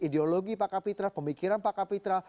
ideologi pak kapitra pemikiran pak kapitra